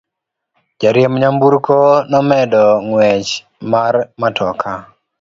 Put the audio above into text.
Jariemb nyamburko nomedo ng'wech mar matoka.